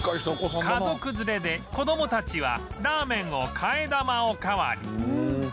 家族連れで子どもたちはラーメンを替え玉おかわり